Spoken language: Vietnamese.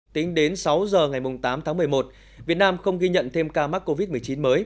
tính đến sáu giờ ngày tám tháng một mươi một việt nam không ghi nhận thêm ca mắc covid một mươi chín mới